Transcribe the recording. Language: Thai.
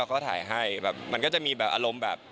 ก็ตายให้มันก็จะมีอารมณ์แบบ